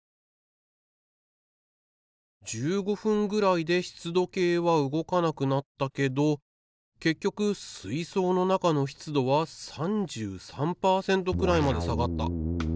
１５分ぐらいで湿度計は動かなくなったけど結局水槽の中の湿度は３３パーセントくらいまで下がった。